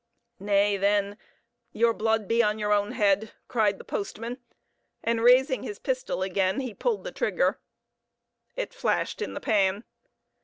"Nay, then, your blood be on your own head," cried the postman, and raising his pistol again he pulled the trigger; it flashed in the pan.